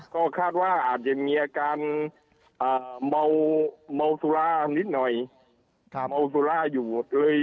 ก็คาดว่าอาจจะมีอาการเมาสุรานิดหน่อยเมาสุราอยู่เลย